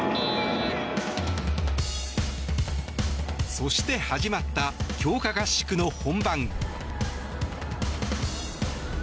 そして始まった強化合宿の本番。